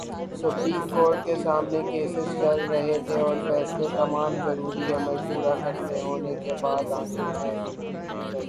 Supreme court کے سامنے cases چل رہے تھے اور فیصلے تمام ضروری عمل پورا ہونے کے بعد آنے تھے۔